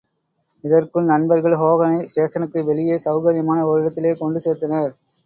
இதற்குள் நண்பர்கள் ஹோகனை ஸ்டேஷனுக்கு வெளியே செளகரியமான ஓரிடத்திலே கொண்டு சேர்த்தனர்.